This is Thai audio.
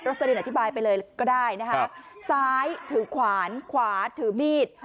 สลินอธิบายไปเลยก็ได้นะคะซ้ายถือขวานขวาถือมีด